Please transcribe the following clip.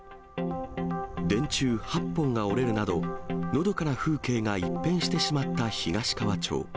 電柱８本が折れるなど、のどかな風景が一変してしまった東川町。